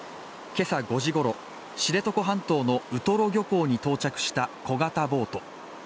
今朝５時ごろ、知床半島のウトロ漁港に到着した小型ボート。